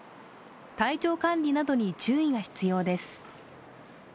体調管理などに注意が必要です。